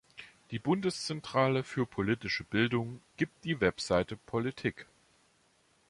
Die Bundeszentrale für politische Bildung gibt die Webseite "Politik.